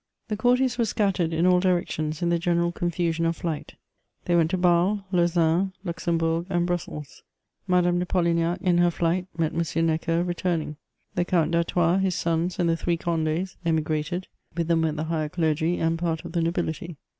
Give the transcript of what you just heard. The courtiers were scattered in all directions in the general confusion of flight ; they went to Bale, Lausanne, Luxembourg, and Brussels. Madame de Polignac in her flight met M. Necker returning. The Count d*Artois, his sons, and the three Condes, emigrated ; with them went the higher clergy and part of the nobility.